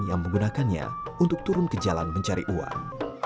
yang menggunakannya untuk turun ke jalan mencari uang